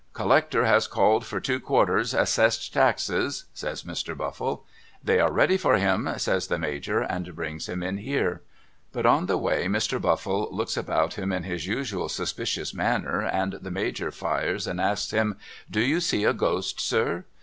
' Collector has called for two quarters' Assessed Taxes ' says Mr. Buffle. * They are ready for him ' says the Major and brings him in here. But on the way Mr. Buffle looks about him in his usual suspicious manner and the Major fires and asks him ' Do you see a Ghost sir